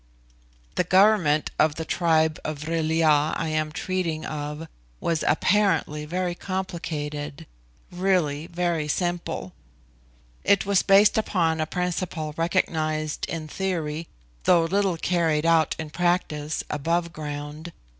The government of the tribe of Vril ya I am treating of was apparently very complicated, really very simple. It was based upon a principle recognised in theory, though little carried out in practice, above ground viz.